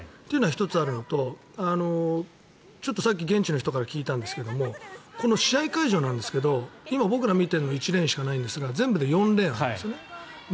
というのが１つあるのとちょっとさっき現地の人から聞いたんですけどこの試合会場なんですけど今、僕ら見ているのは１レーンしかないんですが全部で４レーンあるんですね。